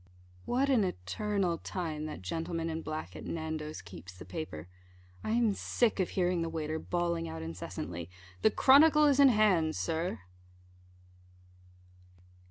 What an eternal time that gentleman in black, at Nando's, keeps the paper! I am sick of hearing the waiter bawling out incessantly, "the Chronicle is in hand, Sir."